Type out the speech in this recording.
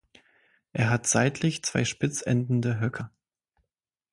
Er hat seitlich zwei spitz endende Höcker.